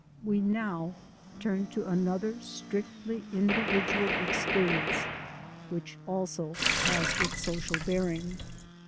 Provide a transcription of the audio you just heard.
We now turn to another strictly individual expe rience which also has its social bearing.